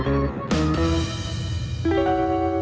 โปรดติดตามตอนต่อไป